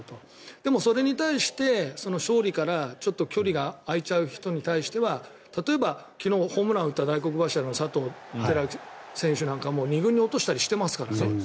でもそれに対して勝利からちょっと距離が開いちゃう人に対しては例えば昨日ホームランを打った大黒柱の佐藤輝明選手なんかも２軍に落としたりしてますからね。